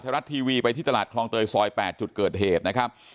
รัฐทีวีไปที่ตลาดคลองเตยซอย๘จุดเกิดเหตุนะครับ